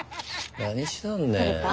何しとんねん。